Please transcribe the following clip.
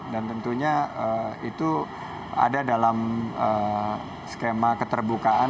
dan tentunya itu ada dalam skema keterbukaan